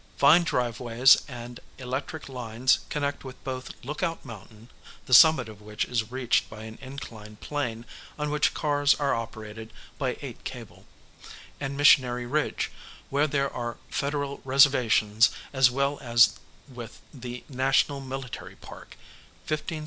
Fine driveways and electric lines connect with both Lookout Mountain (the summit of which is reached by an inclined plane on which cars are operated by cable) and Missionary Ridge, where there are Federal reservations, as well as with the National Military Park (15 sq.